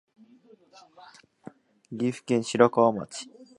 岐阜県白川町